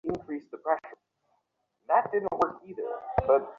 জলদিই শেষ হয়ে গেছে, তাই না?